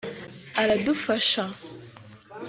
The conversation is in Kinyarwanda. aradufasha